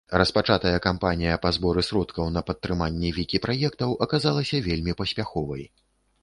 Распачатая кампанія па зборы сродкаў на падтрыманне вікі-праектаў аказалася вельмі паспяховай.